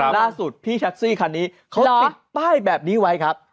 ล่าสุดพี่แท็กซี่คันนี้เขาติดป้ายแบบนี้ไว้ครับ